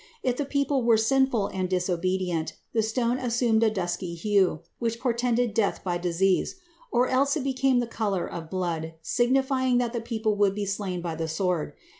If the people were sinful and disobedient, the stone assumed a dusky hue, which portended death by disease, or else it became the color of blood, signifying that the people would be slain by the sword.